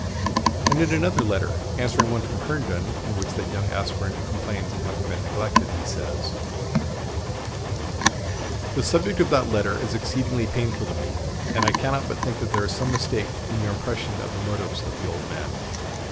And in another letter, answering one from Herndon in which that young aspirant complains of having been neglected, he says: "The subject of that letter is exceedingly painful to me; and I cannot but think there is some mistake in your impression of the motives of the old men.